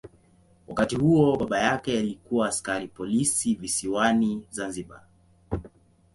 Wakati huo baba yake alikuwa askari polisi visiwani Zanzibar.